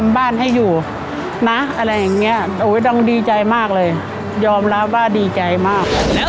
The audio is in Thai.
บ้านให้อยู่นะอะไรอย่างเงี้ยต้องดีใจมากเลยยอมรับว่าดีใจมาก